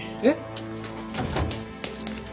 えっ？